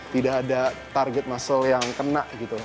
tidak ada target muscle yang kena gitu